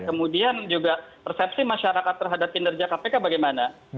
kemudian juga persepsi masyarakat terhadap kinerja kpk bagaimana